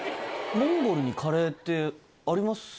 モンゴルにカレーってありますよね？